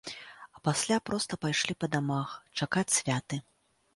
А пасля проста пайшлі па дамах, чакаць святы.